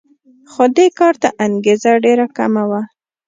خو دې کار ته انګېزه ډېره کمه وه